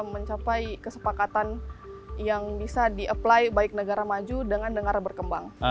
mencapai kesepakatan yang bisa di apply baik negara maju dengan negara berkembang